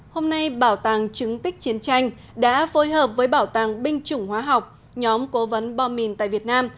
hôm nay bảo tàng chứng tích chiến tranh đã phối hợp với bảo tàng binh chủng hóa học nhóm cố vấn bom mìn tại việt nam